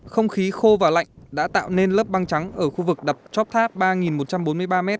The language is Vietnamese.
không khí khô và lạnh đã tạo nên lớp băng trắng ở khu vực đập chóp tháp ba một trăm bốn mươi ba m